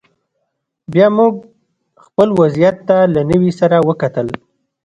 بیا موږ خپل وضعیت ته له نوي سره وکتل